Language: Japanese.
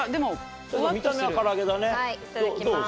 見た目は唐揚げだねどう？